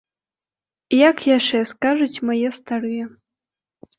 Як яшчэ скажуць мае старыя.